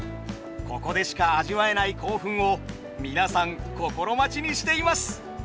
ここでしか味わえない興奮を皆さん心待ちにしています。